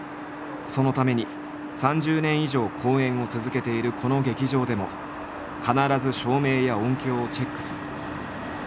そのために３０年以上公演を続けているこの劇場でも必ず照明や音響をチェックする。